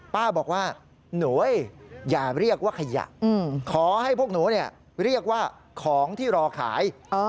ป้าบอกว่าหนูอย่าเรียกว่าขยะขอให้พวกหนูเรียกว่าของที่รอขาย